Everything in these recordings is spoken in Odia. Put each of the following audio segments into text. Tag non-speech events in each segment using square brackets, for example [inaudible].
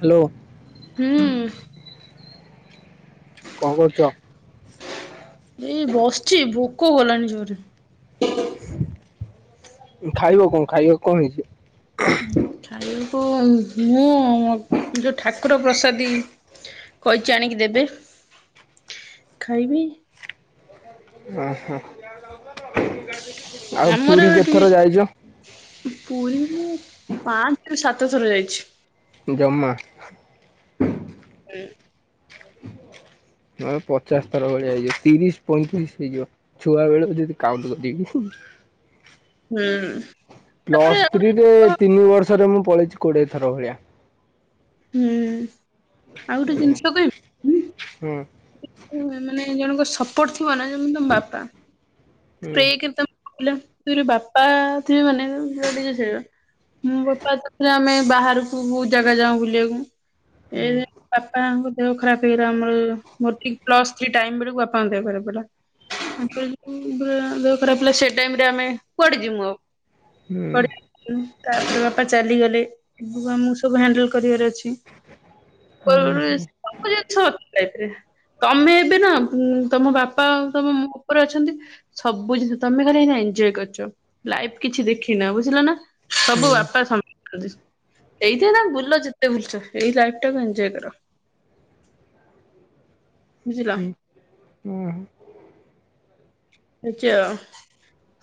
ହାଲୋ। ହୁଁ। କଣ କରୁଚ? ଏଇ ବସ୍ଚି ଭୋକ କଲାଣି ଜୋରେ। ଖାଇବ କଣ, ଖାଇବାକୁ କଣ ହେଇଚି? ଖାଇବ ମୁଁ ଯୋଉ ଠାକୁର ପ୍ରସାଦୀ କହିଚି ଆଣିକି ଦେବେ, ଖାଇବି। ଅହ ଆଉ ଆମର ପୁରୀ ଏଠି କେତେଥର ଯାଇଚ? ପୁରୀ ମୁଁ ପାଞ୍ଚ ରୁ ସାତଥର ଯାଇଚି। ଜମା? [unintelligible] ଆମେ ପଚାଶ ଥର ଭଳିଆ ହେଇଯିବ ତିରିଶ ପଇଁତିରିଶ ହେଇଯିବ। ଛୁଆ ବେଳୁ ଯଦି କାଉଣ୍ଟ କରିବି ହୁଁ। ହୁଁ। ତାପରେ ପ୍ଲସ୍ ଆଉ ଥ୍ରୀରେ ଗୋଟେ ତିନି ବର୍ଷରେ ମୁଁ ପଳେଇଚି କୋଡିଏ ଥର ଭଳିଆ। ହୁଁ, ଆଉ ଗୋଟେ ହୁଁ ଜିନିଷ କହିବି। ହୁଁ। ଉଁ ମାନେ ଜଣଙ୍କ ସପୋର୍ଟ ଥିବ ନା ଯେମତି ତମ ବାପା। ହୁଁ ପ୍ରେ [unintelligible] ବାପା ଥିବେ ମାନେ ତମେ ଯୁଆଡେ ଯିବ ସିଆଡେ ଯିବ। ମୋ ବାପା ସାଥିରେ ଆମେ ବାହାରୁକୁ ବହୁତ୍ ଜାଗା ଯାଉ ବୁଲିଆକୁ। ଏ ହୁଁ ବାପାଙ୍କ ଦେହ ଖରାପ୍ ହେଇଗଲା ଆମର ମୋର ଠିକ୍ ପ୍ଲସ୍ ଥ୍ରୀ ଟାଇମ୍ ବେଳୁକୁ ବାପା ତାଙ୍କ ଦେହ ଖରାପ୍ ହେଲା, ତାଙ୍କର ଯୋଉ [unintelligible] ଦେହ ଖରାପ୍ ହେଲା ସେ ଟାଇମ୍ ରେ ଆମେ କୁଆଡେ ଯିମୁ ଆଉ। ହୁଁ। ଉଁ ତାପରେ ବାପା ଚାଲିଗଲେ, ଏବୁକୁ ଆମୁକୁ ସବୁ ହ୍ୟାଣ୍ଡେଲ୍ କରିବାର ଅଛି। ଉଁ [unintelligible] ସବୁ ଜିନିଷ ଅଛି ଲାଇଫ୍ ରେ। ତମେ ଏବେ ନା ଉଁ ତମ ବାପା ଆଉ ତମ [unintelligible] ଓପରେ ଅଛନ୍ତି। ସବୁ ଜିନିଷ ତମେ ଖାଲି ଏଇନା ଏନଜଏ କରୁଚ ଲାଇଫ କିଛି ଦେଖିନ ବୁଝିଲ ନା। ସବୁ ହୁଁ ବାପା ସମା ଏଇଥିରେ ତମେ ବୁଲ ଯେତେ ବୁଲୁଚ ଏଇ ଲାଇଫ ଟାକୁ ଏଞ୍ଜଏ କର। ବୁଝିଲ। ହୁଁ ଉଁ ହୁଁ। ଯାଉଚି ଆ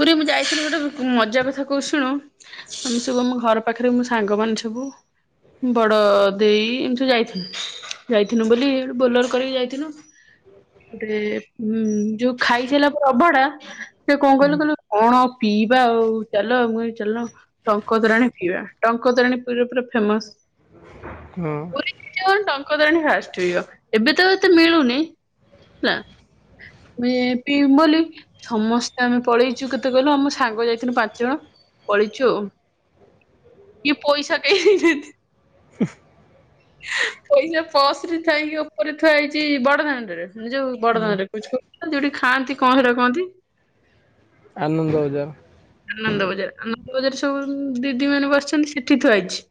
ପୁରୀ ମୁଁ ଯାଇଥିଲି ଗୋଟେ ମଜା କଥା କହୁ ଶୁଣ। ଆମେ ସବୁ ଆମ ଘର ପାଖେରେ ମୋ ସାଙ୍ଗମାନେସବୁ ବଡ ଦେଇ ଏମିତି ସ ଯାଇଥି ଯାଇଥିନୁ ବୋଲି ବୋଲର କରିକି ଯାଇଥିନୁ। ଟିକେ ଉଁ ଯୋଉ ଖାଇସାରିଲା ଅଭଡ଼ା ସେ କଣ କହିଲୁ କହିଲୁ କଣ ପିଇବା ଆଉ ଚାଲ ମୁଁ ଚାଲ ଟଙ୍କତୋରାଣି ପିଇବା, ଟଙ୍କତୋରାଣୀ ପୁରୀରେ ପୁରା ଫେମସ। [inaudible] ହୁଁ। ପୁରୀ ଟଙ୍କ ତୋରାଣି ଫାଷ୍ଟ ପିଇବ ଏବେ ତ ଏତେ ମିଳୁନି ହେଲା। ମେ ପିମ୍ ବୋଲି ସମସ୍ତେ ଆମେ ପଳେଇଛୁ କେତେ କହିଲ ଆମ ସାଙ୍ଗ ଯାଇଥିନୁ ପାଞ୍ଚ ଜଣ ପଳେଇଚୁ ଆଉ ଇଏ ପଇସା ଦେଇ ଦେଇ [unintelligible] [unintelligible] ପଇସା ପସ ରେ ଥାଇକି ଓପରେ ଥୁଆ ହେଇଛି ବଡଦାଣ୍ଡରେ ଯୋଉ ହୁଁ ବଡଦାଣ୍ଡରେ କ ଯୋଉଠି ଖାଆନ୍ତି କଁ ହେଟା କୁ କହନ୍ତି? ଆନନ୍ଦବଜାର। ଆନନ୍ଦ ବଜାର ଆନନ୍ଦ ବଜାର ସବୁ ଦିଦି ମାନେ ବସିଛନ୍ତି ସେଠି ଥୁଆଇଛି।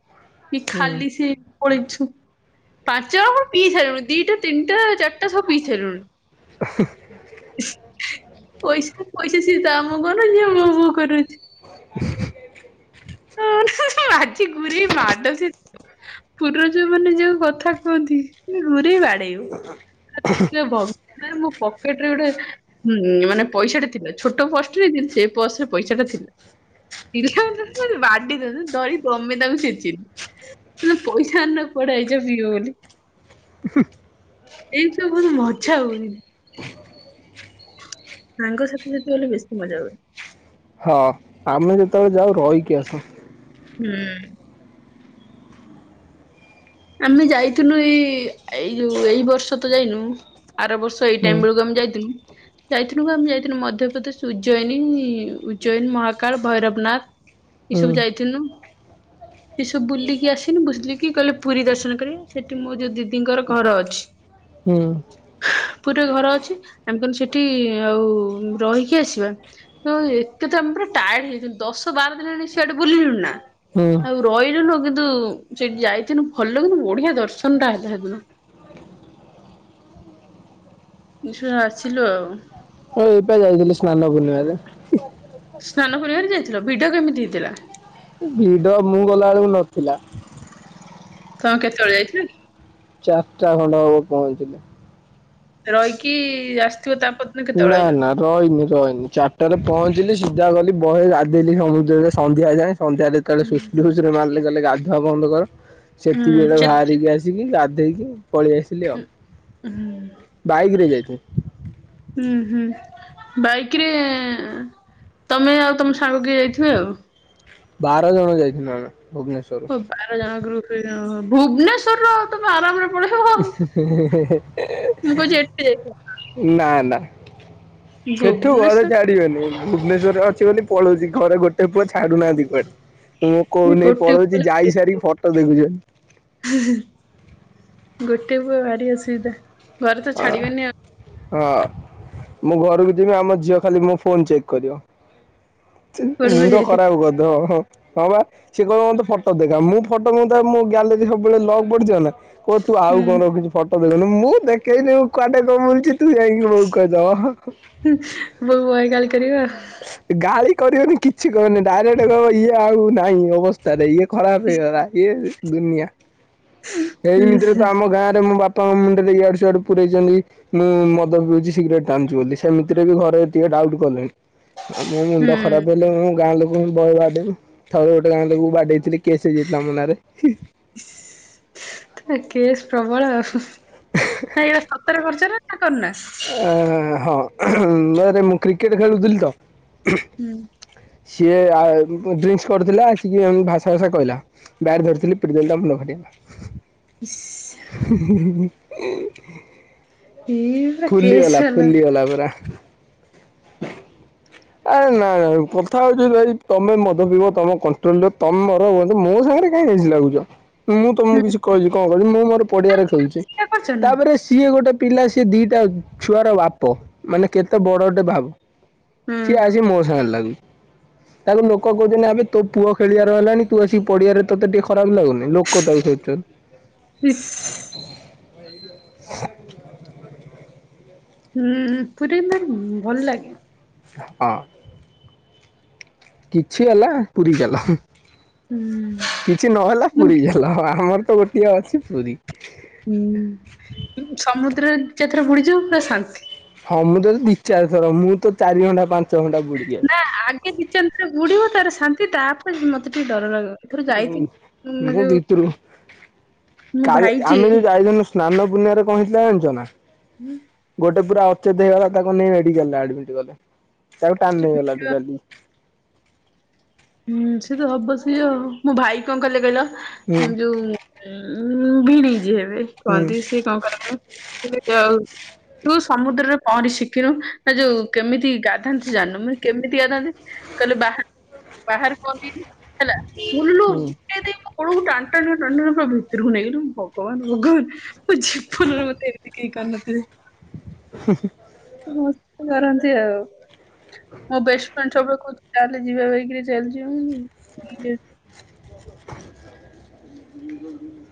କି ହୁଁ ଖାଲି ସେ ପଳେଇଛୁ ପାଞ୍ଚ ଆଣ ପିଇ ସାଇଲୁଣି ଦିଟା ତିନିଟା ଚାରିଟା ସବୁ ପିଇ ସାଇଲୁଣି। ପଇସା ପଇସା ସେ ତା ମୁଁହ କୁ ଅନା ସେ ମୋ ମୁଁହ କରୁଛି। [unintelligible] [unintelligible] ଆଜି ଗୁରେଇ ମାଡ଼ ସେ ପୁରିରେ ଯୋଉ ମାନେ ଯୋଉ କଥା କୁହନ୍ତି ଘୁରେଇ ବାଡେଇବୁ। ଦେଖ ଭଗବାନରେ ମୁଁ [unintelligible] ପକେଟ ରେ ଗୋଟେ ହଁ ମାନେ ପଇସାଟା ଥିଲା ଛୋଟ ପସରେ ସେ ପସ ରେ ପଇସାଟା ଥିଲା। ଇଚ୍ଛା ହୋଉଥିଲା ବାଡି ଦିଅନ୍ତୁ ଧରି ତମେ ତାଙ୍କୁ ଛେଚିଲି। ହେ ପଇସା ଆଣିନ କୁଆଡେ ଆଇଚ ପିଅ ବୋଲି। ଏଇସବୁ ବହୁତ ମଜା ହୁଏ। ସାଙ୍ଗ ସାଥି ସହିତ ଗଲେ ବେଶୀ ମଜା ହୁଏ। ହ ଆମେ ଯେତେବେଳେ ଯାଉ ରହିକି ଆସୁ। ହୁଁ। ଆମେ ଯାଇଥିନୁ ଏଇ ଏଇ ଯୋଉ ଏଇ ବର୍ଷ ତ ଯାଇନୁ ଆର ବର୍ଷ ଏଇ ହୁଁ ଟାଇମ୍ ବେଳୁକୁ ଆମେ ଯାଇଥିଲୁ। ଯାଇଥିନୁ ପା ଆମେ ଯାଇଥିନୁ ମଧ୍ୟପ୍ରଦେଶ ଉଜ୍ଜୈନୀ ଉଜ୍ଜୈନ ମହାକାଳ ଭୈରବନାଥ। ଏ ହୁଁ ସବୁ ଯାଇଥିନୁ ଏ ସବୁ ବୁଲିକି ଆସିନୁ ବୁଲିକି କହିଲେ ପୁରୀ ଦର୍ଶନ କରିବେ, ସେଠି ମୋ ଯୋଉ ଦିଦିଙ୍କର ଘର ଅଛି। ହୁଁ। ପୁରିରେ ଘର ଅଛି ଆମେ କହିନୁ ସେଠି ଆଉ ରହିକି ଆସିବା। ହ ଏତେ ତାପରେ ଟାୟାର୍ଡ ହେଇଯଛନ୍ତି ଦଶ ବାର ଦିନ ହେଣି ସିଆଡେ ବୁଲିଲୁଣି ନା। ହଁ। ତୁ ରହିଲୁନୁ କିନ୍ତୁ ସେଠି ଯାଇଥିନୁ ଭଲ କିନ୍ତୁ ବଢିଆ ଦର୍ଶନ ଟା ହେଦିନ। ଛୁଆ ଆସିଲୁ ଆଉ। ହଁ ଏଇପା ଯାଇଥିଲି ସ୍ନାନ ପୂର୍ଣ୍ଣିିମାରେ। ସ୍ନାନ ପୂର୍ଣ୍ଣିମାରେ ଯାଇଥିଲ ଭିଡ କେମିତି ହେଇଥିଲା? ଭିଡ ମୁଁ ଗଲା ବେଳକୁ ନଥିଲା। ତମେ କେତେବେଳେ ଯାଇଥିଲ କି? ଚାର୍ ଟା ଖଣ୍ଡେ ହବ ପହଞ୍ଚିଲି। ରଇକି ଆସିଥିବ ତାପ ନା ନା। ରହିନି ରହିନି ଚାରିଟାରେ ପହଞ୍ଚିଲି ସିଧା ଗଲି ବହେ ଗାଧେଇଲି ସମୁଦ୍ରରେ ସନ୍ଧ୍ୟା ଯାଏଁ। ସନ୍ଧ୍ୟା ଯେତେବେଳେ ହୁଁ ସୁୁସୁରି ଫୁସୁରୀ ମାରିଲେ କହିଲେ ଗାଧୁଆ ବନ୍ଦ କର ହୁଁ ସେତିକି ବଳେ ସେ ବାହାରିକି ଆସି କି ଗାଧେଇକି ପଳେଇ ଆସିି ଉଁ ହୁଁ। ବାଇକ୍ ରେ ଯାଇଥିଲୁ। ହୁଁ ହୁଁ ବାଇକ୍ ରେ ତମେ ଆଉ ତମ ସାଙ୍ଗ କି ଯାଇଥିବେ ଆଉ। ବାର ଜଣ ଯାଇଥିଲୁ ଆମେ ଭୁବନେଶ୍ଵର। ଓ ବାର ଜଣ ଗ୍ରୁପ ଟେ ଯାଣ ଭୁବନେଶ୍ଵର ତମେ ଆରାମରେ ପଳେଇବ ଆଉ। ହ ମୁଁ କହୁଛି ଏଠି ଯାଇଥିବ ନା ନା ସେଠୁ ଘରେ ଭୁବନେଶ୍ୱର ଛା ଡି ବେନି ଭୁବନେଶ୍ୱଵରରେ ଅଛି ବୋଲି ପଳଉଚି ଘରେ ଗୋଟେ ଏ ପୁଅ ଛାଡୁନାହାନ୍ତି କୁଆଡେ ମୁଁ କହୁନି ଗୋଟେ ପଳଉଚି ପୁଅ ଭାରି ଯାଇ ସାରିକି ଫଟୋ ଦେଖୁଚନ୍ତି। ଗୋଟେ ପୁଅ ଭାରି ଅସୁବିଧା ଘରେ ତ ହଁ ଛାଡିବେନି ଆଉ। ହଁ ମୁଁ ଘରକୁ ଯିବି ଆମ ଝିଅ ଖାଲି ମୋ ଫୋନ ଚେକ୍ କରିବ। ଚି କୁଆଡେ କୁଆଡେ ମୁଣ୍ଡ ଯାଇଥିଲେ ଖରାପ କରିଦବ। ହଁ ବା ସିଏ କହିବ ମତେ ଫଟୋ ଦେଖା ମୁଁ ଫଟୋ ମୁଁ ତା ଗ୍ୟାଲେରୀ ସବୁବେଳେ ଲକ୍ ପଡିିଥିବ ନା କୁହ ତୁ ଆଉ କଣ ହୁଁ ରଖୁଚି ଫଟୋ ଦେଖଉନୁ ମୁଁ ଦେଖେଇନି କୁଆଡେ କଣ ବୁଲୁଚି ତୁ ସେଇ ବଉ କୁ କହିଦବ। ବୋଉ ବହେ ଗାଳି କରିବେ ଆଉ। ଗାଳି କରିବନି କିଛି କରନି ଡାଇରେକ୍ଟ କହିବ ଇଏ ଆଉ ନାହି ଅବସ୍ଥାରେ ଇଏ ଖରାପ ହେଇଗଲା ଇଏ ଦୁନିଆ ହୁଁ ଏଇମିତରେ ତ ଆମ ଗାଁ ରେ ମୋ ବାପା ପାଙ୍କ ମୁଣ୍ଡରେ ଇଆଡୁ ଶିଆଡୁ ପୁରେଇଚନ୍ତି ମୁଁ ମଦ ପିଉଚି ସିଗରେଟ ଟାଣୁଚି ବୋଲି ସେମିତିରେ ବି ଘରେ ଟିକେ ଡାଉଟ୍ କଲେଣି। ଆ ମୋ ହୁଁ ମୁଣ୍ଡ ଖରାପ ହେଲେ ମୁଁ ଗାଁ ଲୋକ ମୁଁ ବହେ ବାଦେଇବି ଥରେ ଗୋଟେ ଗାଁ ଲୋକ କୁ ବାଡେଇଥିଲି କେସ୍ ହେଇଯାଇଥିଲା ମୋ ନାଁ ରେ ତା କେସ୍ ପ୍ରବଳ ଆଉ ନା ଏଇଟା ସତରେ ଖରଚନା? ନା କରନା ହଁ ନରେ ମୁଁ କ୍ରିକେଟ୍ ଖେଳୁଥିଲି ତ ହୁଁ ସିଏ ଆ ଡିଙ୍କସ୍ କରୁଥିଲା ଆସିକି ଏମିତି ଭାଷା ଫାଷା କହିଲା ବ୍ୟାଟ୍ ଧରିଥିଲି ପିଟି ଦେଲି ତା ମୁଣ୍ଡ ଫାଟିଗଲା। ଇସ୍ ହ ଏଇ ପୁରା କେସ୍ ଫୁଲିଗଲା ହେଲା ଫୁଲିଗଲା ପୁରା। ହ ଆରେ ନାଇ କଥା ହଉଚି ଭାଇ ତମେ ମଦ ପିଇବ ତମେ କଣ୍ଟ୍ରୋଲ ତମେ ମର ହୁଅ ମୋ ସାଙ୍ଗରେ କାଇଁ ଏମିତି ଲାଗୁଚ? ମୁଁ ତମକୁ ହୁଁ କିଛି କହିଚି, କଣ କହିଚି, ମୁଁ ମୋର ପଡିଆରେ ଖେଳୁଛି, ସେଇଟା କରିଛ ନା? ତାପରେ ସେ ସିଏ ଗୋଟେ ପିଲା, ସିଏ ଦିଟା ଛୁଆର ବାପ, ମାନେ କେତେ ବଡଟେ ଭାବ? ହୁଁ ସିଏ ଆସିକି ମୋ ସାଙ୍ଗରେ ଲାଗୁ ତାକୁ ଲୋକ କହୁଚନ୍ତି ଆବେ, ତୋ ପୁଅ ଖେଳିବାର ହେଲାଣି, ତୁ ଆସିକି ପଡିିଆରେ, ତତେ ଟିକେ ଖରାପ ଲାଗୁନି? ଲୋକ ତାକୁ ଶୋଦୁଚନ୍ତି। ହୁଁ। ହୁଁ, ପୁରୀ ମାନେ ଭଲ ଲାଗେ। ହଁ। କିଛି ହେଲା, ପୁରୀ ଗଲ। ହୁଁ କିଛି ନହେଲା ପୁରୀ ହେଲା, ଆମର ତ ଗୋଟିଏ ଅଛି ପୁରୀ। ହୁଁ, ସମୁଦ୍ରରେ ଦି ଚାରିଥର ବୁଡିଯିବୁ ପୁରା ଶାନ୍ତି। ସମୁଦ୍ର ରେ ଦିଇ ଚାରଥର, ମୁଁ ତ ଚାରି ଘଣ୍ଟା ପାଞ୍ଚ ଘଣ୍ଟା ବୁଡ଼ିଯାଏ। ନା ଆଗେ ଦି ଚାରିଥର ବୁଡିବ, ତାର ଶାନ୍ତି, ତାପରେ ମତେ ଟିକେ ଡର ରହିବ। ହୁଁ, ମୁ ଭିତରୁକୁ ମୋ କାଲି, ଭାଇ ଆମେ ଯିଏ ଯୋଉ ଯାଇଥିଲୁ ସ୍ନାନ ପୁଣ୍ଣିମାରେ, କଣ ହେଇଥିଲା ଜାଣିଛ ନା? ଗୋଟେ ପୁରା ଅଚେତ ହେଇଗଲା, ତାକୁ ନେଇ ମେଡିକାଲରେ ଆଡମିଟ କଲେ, ତାକୁ ଟାଣି ନେଇଗଲା ଟୋଟାଲି। ହୁଁ, ସେ ତ ହବ ସେଇଆ ଆଉ, ମୋ ଭାଇ କଣ କଲେ କହିଲ? ହୁଁ ଯୋଉ ଉ, ଭିଣେଇ ଯିଏ ହେବେ ହୁଁ କୁହନ୍ତି, ସିଏ କଣ କଲେ କହିଲ? କହିଲେ ଆଉ ତୁ ସମୁଦ୍ରରେ ପହଁରି ଶିଖିନୁ, ନା ଯୋଉ କେମିତି ଗାଧାନ୍ତି ତୁ ଜାଣିନୁ, ମୁଁ କହିଲି କେମିତି ଗାଧାନ୍ତି କହିଲେ ବା, ବାହାର କନ୍ତିି ହେଲା ନାଇଁ ହୁଁ ନାଇଁ ମୁଁ କୂଳକୁ ଟାଣି ଟାଣି, ଟାଣି ଟାଣି ପୁରା ଭିତରକୁ ନେଇଗଲି, ମୁଁ କହିଲି ଭଗବାନ, ଭଗବାନ। ମୋ ଜୀବନରେ ମତେ ଏମିତି କେହି କରିନଥିବେ। ହୁଁ ହୁଁ। ସେ ମୋ ସହିତ କରନ୍ତି ଆଉ, ମୋ ବେଷ୍ଟ ଫ୍ରେଣ୍ଡ ସବୁବେଳେ କହୁ ଚାଲ ଯିବା ବାଇକି ରେ ଚାଲ ଯିବା, ମୁଁ ବୁଲି [unintelligible]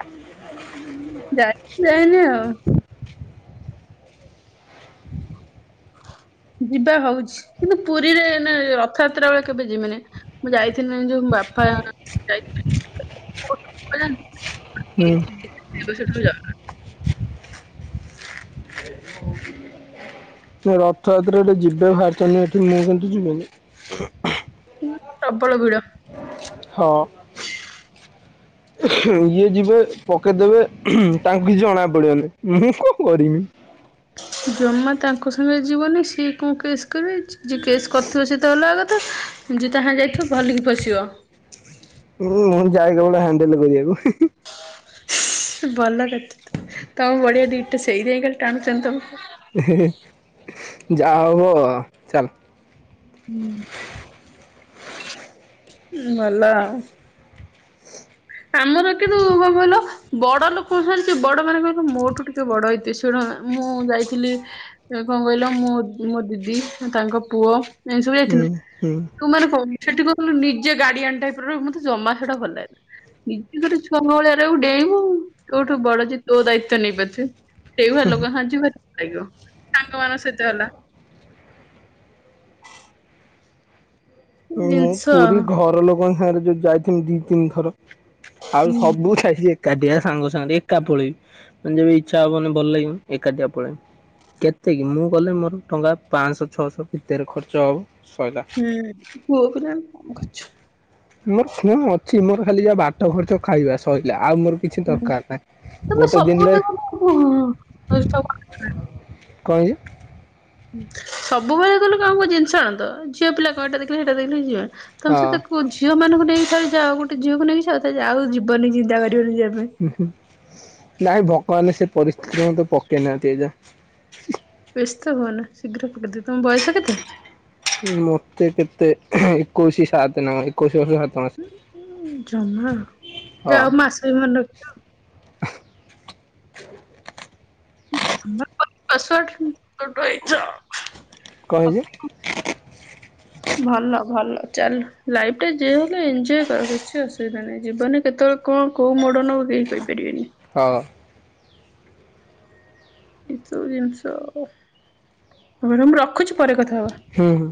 ଯାଇଚି ଯାଇନି ଆଉ। [unintelligible] ଯିବା ହଉଛି, କିନ୍ତୁ ପୁରୀରେ ଏଇନେ ରଥଯାତ୍ରା ବେଳେ କେବେ ଯିମିନି। ମୁଁ ଯାଇଥିଲି ନା ଯୋଉ, ବାପା ଯାଇ [unintelligible] [unintelligible] କିଏ ରଥଯାତ୍ରାରେ ଯିବେ ବାହାରିଛନ୍ତି ଏଠି, ମୁଁ କିନ୍ତୁ ଯିବିନି। ହୁଁ, ପ୍ରବଳ ଭିଡ। ହଁ। ଇଏ ଯିବେ, ପକେଇଦେବେ, ତାଙ୍କୁ କିଛି ଜଣା ପଡିବନି, ମୁଁ କଣ କରମି? ଜମା ତାଙ୍କ ସାଙ୍ଗରେ ଯିବନି, ସିଏ କଣ କେସ୍ କରିବେ, ଯିଏ କେସ୍ କରିଥିବ ସେ ତ ଅଲଗା କଥା, ଯିଏ ତା ସାଙ୍ଗରେ ଯାଇଥିବ, ଭଲିକି ଫସିବ। ହୁଁ, ମୁଁ ଯାଏ କେବଳ ହାଣ୍ଡେଲ କରିବାକୁ। ହିଁ ହିଁ। ଭଲ ଦେ, ତମେ ବଳିିଆ ଦିଟା ସେଇ ଦେଇ ଖାଲି ଟାଣୁଚନ୍ତି ତମକୁ। ହେ ହେ ହେ ଯା ହୁଅ ଚାଲ। ହୁଁ, ଭଲ ଆଉ। ଆମର କିନ୍ତୁ କଣ କହିଲ ବଡ ଲୋକଙ୍କ ସାଙ୍ଗରେ କିଏ, ବଡ ମାନେ କଣ କହିଲ ମୋଠୁ ଟିକେ ବଡ ହେଇଥିବେ, ଶୁଣ ମୁଁ ଯାଇଥିଲି କଣ କହିଲ, ମୋ, ମୋ ଦିଦି, ତାଙ୍କ ପୁଅ, ଏମିତି ସବୁ ହୁଁ ଯାଇଥିଲୁ। ହୁଁ ତୁ ମାନେ କ ସେଠି କଣ କହିଲୁ, ନିଜେ ଗାଡିଆନ ଟାଇପର, ମତେ ଜମା ସେଟା ଭଲ ଲାଗିଲାନି। ନିଜେ ଘର ଛୁଆଙ୍କ ଭଳିଆ ଆରେ ଡେଇଁବୁ କୋଉଠୁ ବଡ ଯିଏ ତୋ ଦାୟିତ୍ଵ ନେଇ ପାରୁଥେ ସେଇ ଭଳି ଲୋକ [unintelligible] ଭଲ ଲାଗିବ ସାଙ୍ଗ ମାନଙ୍କ ସହିତ ହେଲା। ସବୁ ମୁଁ ଜିନିଷ ପୁରୀ ଘର ଲୋକଙ୍କ ସାଙ୍ଗେରେ ଯୋଉ ଯାଇଥିନି ଦି ତିନି ଥର। ଆଉ ସବୁ ଛାଏ ସିଏ। ଏକାଟିଆ ସାଙ୍ଗ ସାଙ୍ଗ ଏକା ପଳେଇ ମାନେ ଯେବେ ଇଚ୍ଛା ହବ ମାନେ ଭଲ ଲାଗିବ ଏକାଧିଆ ପଳେଇ କେତେକି ମୁଁ ଗଲେ ମୋର ଟଙ୍କା ପାଁସ ଛଅଶ ଭିତରେ ଖର୍ଚ୍ଚ ହବ ଶଇଲା। ହୁଁ ପୁଅକୁ [unintelligible] କରୁଛୁ। ମୋର ଖଣ ଅଛି ମୋର ଖାଲି ଯାହା ବାଟ ଖର୍ଚ ଖାଇବା ସଇଲା ଆଉ ମୋର କିଛି ହୁଁ। ଦରକାର ନାହିଁ ତମେ ଗୋଟେ ସବୁ ଦିନରେ। କଣ ହେଇଜି? ସବୁବେଳେ କଲେ କଣ କଣ ଜିନିଷ ଆଣନ୍ତ ଝିଅ ପିଲା କଣ ଏଟା ଦେଖିଲେ ହେଟା ଦେଖିଲେ ଯିବା। ତମେ ସେ ହଁ ତାକୁ ଝିଅ ମାନଙ୍କୁ ନେଇକି ଖାଲି ଯାଅ ଗୋଟେ ଝିଅକୁ ନେଇକି ଯାଅ ତା ଆଉ ଯିବନି ଚିନ୍ତା କ ହୁଁ ହୁଁ ନାହିଁ ଭଗବାନେ ସେ ପରିସ୍ଥିତିରେ ମତେ ପକେଇ ନାହାନ୍ତି ଏଯା ବ୍ୟସ୍ତ ହୁଅ ନା ଶୀଘ୍ର ପକେଇଦେବେ ତମ ବୟସ କେତେ? ମତେ କେତେ ଏକୋଇଶି ସାତେ ନା ଏକୋଇଶି ବର୍ଷ ସାତ ମାସେ। ଉଁ ଜମା ହଁ ଯାଅ ମାସେ ଭଲ [unintelligible] ପାସୱାର୍ଡ କୁଆଡୁ ଆଇଚ? କଣ ହେଇଜି? ଭଲ ଭଲ ଚାଲୁ ଲାଇଫ ଟେ ଜିଏ ହେଲେ ଏନଜୟ କର କିଛି ଅସୁବିଧା ନାହିଁ ଜୀବନରେ କେତେବେଳ କଣ କୋଉ ମୋଡ଼ ନବ କେହି କହିପାରିବେନି। ହଁ। ଏ ସବୁ ଜିନିଷ ମୁଁ ରଖୁଛି ପରେ କଥା ହବା। ହୁଁ।